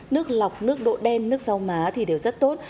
nước lọc nước độ đen nước rau má thì đều rất tốt